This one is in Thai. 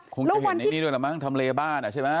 คงจะเห็นในนี้ด้วยละมั้งทำเลบ้านอ่ะใช่ไหม